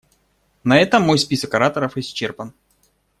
На этом мой список ораторов исчерпан.